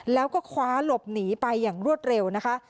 แล้วก็คว้าหลบหนีไปอย่างรวดเร็วนะคะ